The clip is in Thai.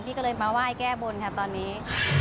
พี่ก็เลยมาไหว้แก้บนตอนนี้